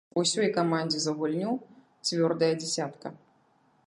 Усёй камандзе за гульню цвёрдая дзясятка.